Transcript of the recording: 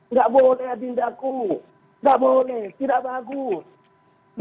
nggak boleh adindaku tidak boleh tidak bagus